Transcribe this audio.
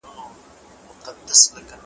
چي لیدلی یې مُلا وو په اوبو کي ,